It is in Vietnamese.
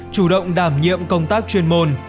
chủ động đảm nhiệm công tác chuyên môn